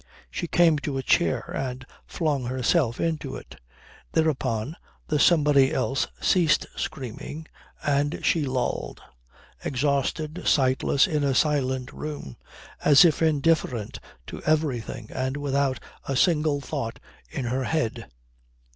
She came to a chair and flung herself into it. Thereupon the somebody else ceased screaming and she lolled, exhausted, sightless, in a silent room, as if indifferent to everything and without a single thought in her head.